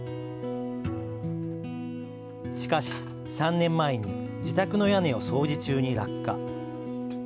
しかし３年前に自宅の屋根を掃除中に落下。